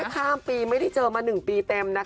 ข้ามปีไม่ได้เจอมา๑ปีเต็มนะคะ